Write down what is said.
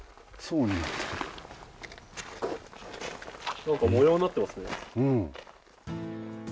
何か模様になってますね。